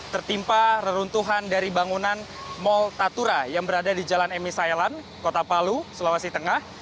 tertimpa reruntuhan dari bangunan mall tatura yang berada di jalan emi sayalan kota palu sulawesi tengah